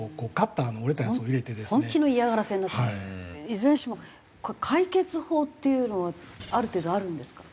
いずれにしても解決法っていうのはある程度あるんですか？